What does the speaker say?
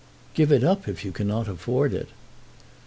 "Give it up if you cannot afford it."